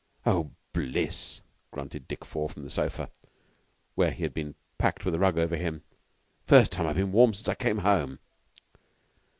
"Oh, bliss!" grunted Dick Four from a sofa, where he had been packed with a rug over him. "First time I've been warm since I came home."